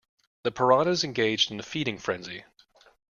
The piranhas engaged in a feeding frenzy.